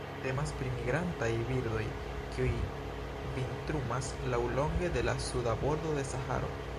Temas pri migrantaj birdoj, kiuj vintrumas laŭlonge de la suda bordo de Saharo.